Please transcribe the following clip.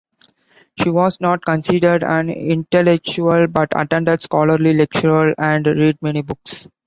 She was not considered an intellectual but attended scholarly lectures and read many books.